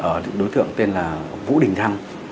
một là đối tượng tên là vũ đình thăng